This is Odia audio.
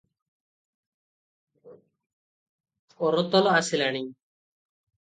ଅରତଲ ଆସିଲାଣି?